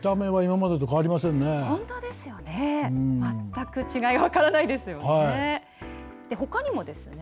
まったく違い分からないですよね。